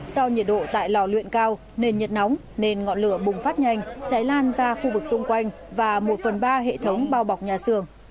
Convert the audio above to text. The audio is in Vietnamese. do nhiệt độ tại lò luyện cao nền nhiệt nóng nên ngọn lửa bùng phát nhanh cháy lan ra khu vực xung quanh và một phần ba hệ thống bao bọc nhà xưởng